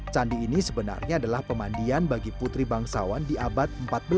candi ini sebenarnya adalah pemandian bagi putri bangsawan di abad empat belas